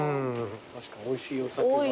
確かにおいしいお酒が。